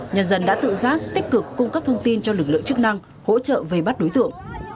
nhân dân đã tự giác tích cực cung cấp thông tin cho lực lượng chức năng hỗ trợ vây bắt đối tượng